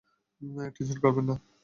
Tension করবেন না।